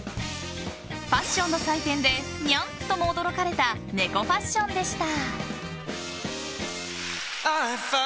ファッションの祭典でにゃんとも驚かれた猫ファッションでした。